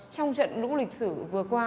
trong trận lũ lịch sử vừa qua